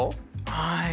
はい。